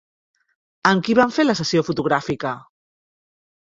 Amb qui van fer la sessió fotogràfica?